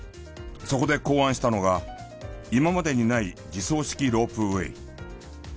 そこで考案したのが今までにない自走式ロープウェイ。